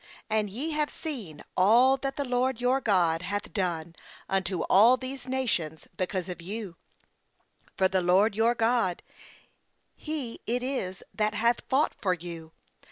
3And ye have seen all that the LORD your God hath done unto all these nations because of you; for the LORD your God, He it is that hath fought for you.